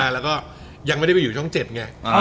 แล้วก็ยังไม่ได้ไปอยู่ช่อง๗ไง